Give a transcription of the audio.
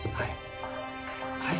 はい。